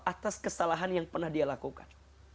atas kesalahan yang pernah dia lakukan